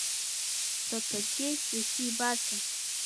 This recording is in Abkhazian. Даҽаӡәгьы иахьибарҭам.